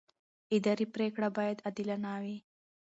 اداري پرېکړه باید عادلانه وي.